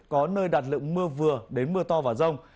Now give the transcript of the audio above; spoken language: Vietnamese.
có nơi đạt lượng mưa vừa đến mưa to và rông